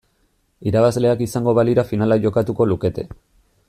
Irabazleak izango balira finala jokatuko lukete.